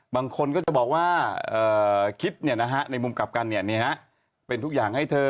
บางคนก็จะบอกว่าเอ่อคิดเนี่ยนะฮะในมุมกลับกันเนี่ยนะเป็นทุกอย่างให้เธอ